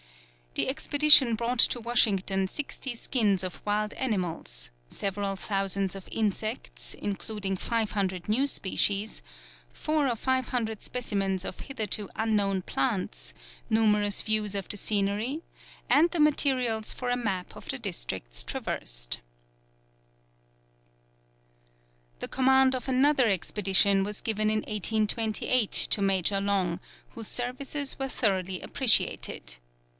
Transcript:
The expedition brought to Washington sixty skins of wild animals, several thousands of insects, including five hundred new species, four or five hundred specimens of hitherto unknown plants, numerous views of the scenery, and the materials for a map of the districts traversed. [Illustration: "Excelling in lassoing the wild mustangs."] The command of another expedition was given in 1828 to Major Long, whose services were thoroughly appreciated.